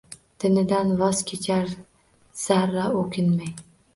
Dinidan voz kechar zarra o’kinmay